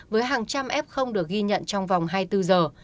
với hàng trăm f được ghi nhận trong vòng hai mươi bốn giờ